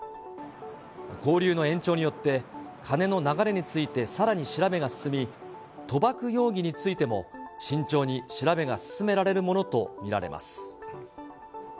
勾留の延長によって、金の流れについてさらに調べが進み、賭博容疑についても、慎重に調べが進められるものと見られます。